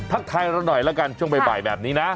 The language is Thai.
ทักทายเราหน่อยแล้วกันช่วงบ่ายแบบนี้นะ